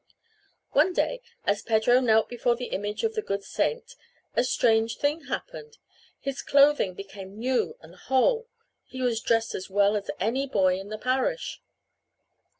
One day as Pedro knelt before the image of the good saint a strange thing happened. His clothing became new and whole. He was dressed as well as any boy in the parish.